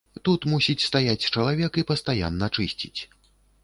Тут мусіць стаяць чалавек і пастаянна чысціць.